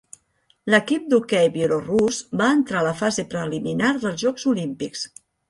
L'equip d'hoquei bielorús va entrar a la fase preliminar dels Jocs Olímpics.